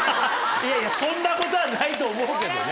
そんなことはないと思うけどね。